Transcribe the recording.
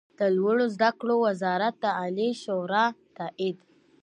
د لوړو زده کړو وزارت د عالي شورا تائید